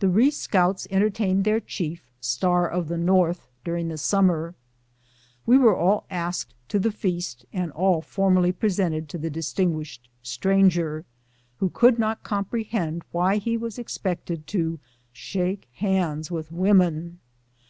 The Ree scouts entertained their chief, Star of the North, during the summer. "We were all asked to the feast, and all formally presented to the distinguished stranger, who could not comprehend why he was ex pected to shake hands with women.